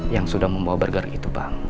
yang sudah membawa burger itu bang